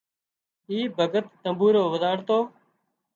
اِي ڀڳت تمٻورو وزاۯتو